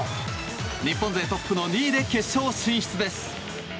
日本勢トップの２位で決勝進出です。